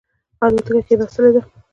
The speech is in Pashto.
الوتکه کښېنستلې ده.